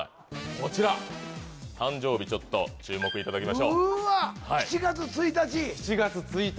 こちら誕生日ちょっと注目いただきましょう７月１日？